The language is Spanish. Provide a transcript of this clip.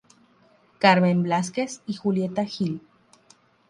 Carmen Blázquez y Julieta Gil.